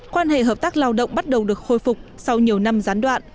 quan hệ hợp tác lao động bắt đầu được khôi phục sau nhiều năm gián đoạn